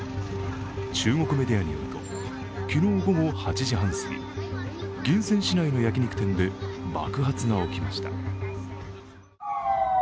中国メディアによると昨日午後８時半すぎ銀川市内の焼き肉店で爆発が起きました。